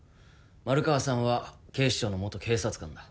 丸川さんは警視庁の元警察官だ。